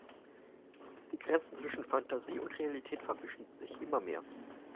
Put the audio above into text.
Die Grenzen zwischen Phantasie und Realität verwischen sich immer mehr.